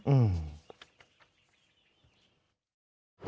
อืม